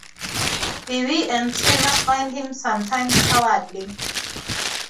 Bibi and Tina find him sometimes cowardly.